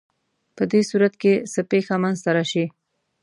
په دې صورت کې څه پېښه منځ ته راشي؟